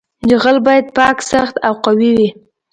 جغل باید پاک سخت او قوي وي